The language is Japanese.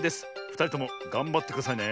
ふたりともがんばってくださいね。